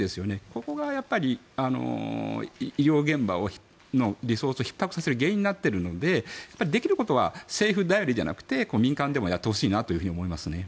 ここがやっぱり医療現場のリソースをひっ迫させる原因になっているので、できることは政府頼りじゃなくて民間でもやってほしいなと思いますね。